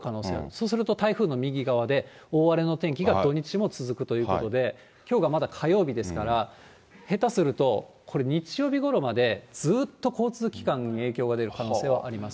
そうすると台風の右側で大荒れの天気が土日も続くということで、きょうがまだ火曜日ですから、下手すると、これ、日曜日ごろまでずっと交通機関に影響が出る可能性はあります。